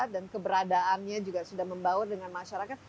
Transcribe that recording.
dan keberadaannya juga sudah membawa dengan masyarakat